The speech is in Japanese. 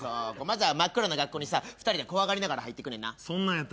まずは真っ暗な学校にさ２人で怖がりながら入っていくねんな。